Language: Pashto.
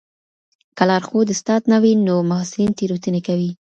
که لارښود استاد نه وي نو محصلین تېروتنې کوي.